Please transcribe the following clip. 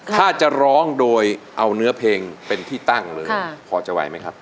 ถ้าจะร้องโดยเอาเนื้อเพลงเป็นที่ตั้งเลยพอจะไหวไหมครับ